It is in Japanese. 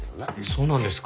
そうなんですか。